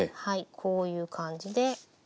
こういう感じで。